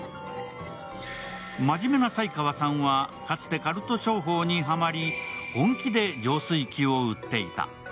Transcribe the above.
まじめな斉川さんは、かつてカルト商法にハマり本気で浄水器を売っていた。